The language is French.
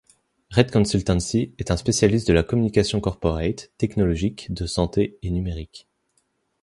Red consultancy est un spécialiste de la communication corporate, tecnologique, de santé et numérique.